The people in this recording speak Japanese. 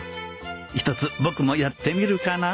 ひとつ僕もやってみるかな